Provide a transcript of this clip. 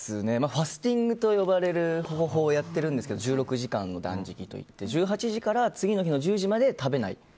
ファスティングと呼ばれる方法をやってるんですけど１６時間の断食といって１８時から次の日の１０時まで食べないと。